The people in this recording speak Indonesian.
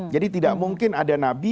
tidak mungkin ada nabi